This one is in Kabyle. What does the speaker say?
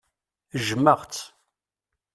Jjmeɣ-tt.